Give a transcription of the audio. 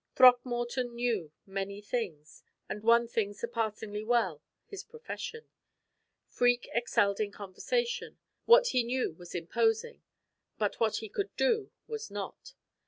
Throckmorton knew many things, and one thing surpassingly well his profession. Freke excelled in conversation; what he knew was imposing, but what he could do was not.